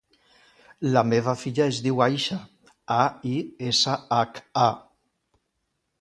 La meva filla es diu Aisha: a, i, essa, hac, a.